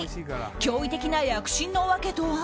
驚異的な躍進の訳とは？